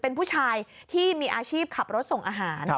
เป็นผู้ชายที่มีอาชีพขับรถส่งอาหาร